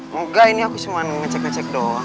moga ini aku cuma ngecek ngecek doang